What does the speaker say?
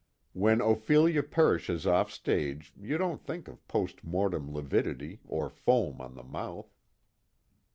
When Ophelia perishes offstage you don't think of post mortem lividity or foam on the mouth.